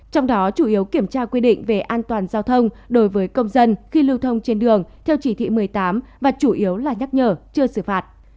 trong đó chủ yếu kiểm tra quy định về an toàn giao thông đối với công dân khi lưu thông trên đường theo chỉ thị một mươi tám và chủ yếu là nhắc nhở chưa xử phạt